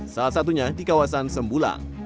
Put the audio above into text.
salah satunya di kawasan sembulang